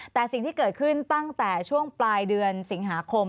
แต่สิ่งที่เกิดขึ้นตั้งแต่ช่วงปลายเดือนสิงหาคม